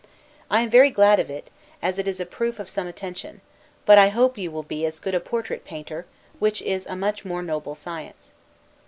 I am very glad of it, as it is a proof of some attention; but I hope you will be as good a portrait painter, which is a much more noble science.